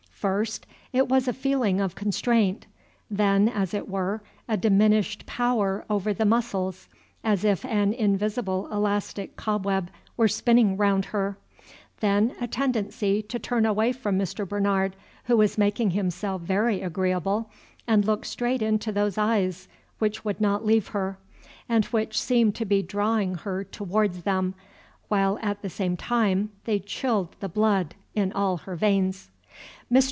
First it was a feeling of constraint, then, as it were, a diminished power over the muscles, as if an invisible elastic cobweb were spinning round her, then a tendency to turn away from Mr. Bernard, who was making himself very agreeable, and look straight into those eyes which would not leave her, and which seemed to be drawing her towards them, while at the same time they chilled the blood in all her veins. Mr.